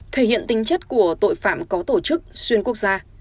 thể hiện tinh chất của tội phạm có tổ chức xuyên quốc gia